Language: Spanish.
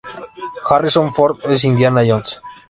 Harrison Ford es Indiana Jones.